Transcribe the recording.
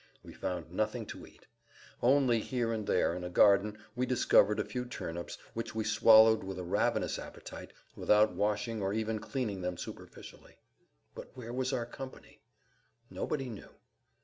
We found nothing to eat. Only here and there in a garden we discovered a few turnips which we swallowed with a ravenous appetite without washing or even cleaning them superficially. But where was our company? Nobody knew.